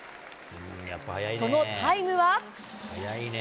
そのタイムは？